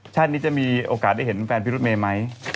ชาตินี้จะมีโอกาสได้เห็นแฟนพี่รถเมย์ไหม